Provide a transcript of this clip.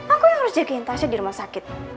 aku yang harus jagain tasnya di rumah sakit